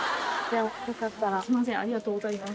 ありがとうございます。